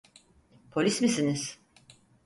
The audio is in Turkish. Polis misiniz?